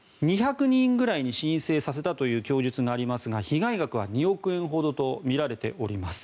２００人ぐらいに申請させたという供述がありますが被害額は２億円ほどとみられております。